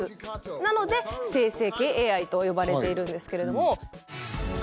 なので生成系ＡＩと呼ばれているんですけれども。